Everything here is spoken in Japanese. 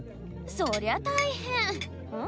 そりゃ大変うん？